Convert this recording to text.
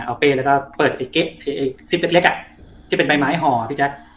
เอาเป้ยแล้วก็เปิดไอ้เก๊ไอ้ไอ้ซิปเล็กเล็กอ่ะที่เป็นใบไม้ห่ออ่ะพี่แจ๊ก